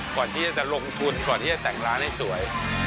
ก่อนที่จะลงทุนก่อนที่จะแต่งร้านให้สวย